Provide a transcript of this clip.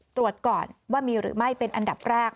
ตรวจก่อนว่ามีหรือไม่เป็นอันดับแรก